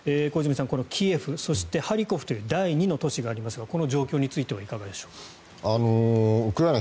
小泉さん、このキエフそしてハリコフという第２の都市がありますがこの状況についてはいかがでしょうか。